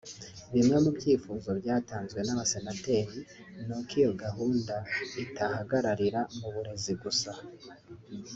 Bimwe mu byifuzo byatanzwe n’abasenateri ni uko iyo gahunda itahagararira mu burezi gusa